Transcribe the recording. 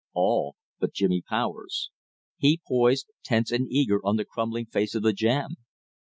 All but Jimmy Powers. He poised tense and eager on the crumbling face of the jam.